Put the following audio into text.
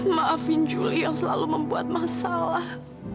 maafin juli yang selalu membuat masalah